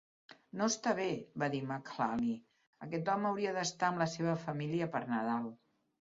"No està bé", va dir McAlhany, "aquest home hauria d'estar amb la seva família per Nadal".